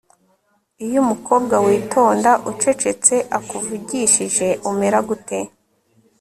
Iyo umukobwa witonda ucecetseakuvugishije umera gute